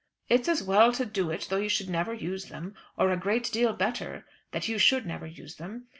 "It's as well to do it, though you should never use them, or a great deal better that you should never use them.